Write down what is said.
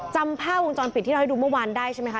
จำภาพวงจรปิดที่เราให้ดูเมื่อวานได้ใช่ไหมคะ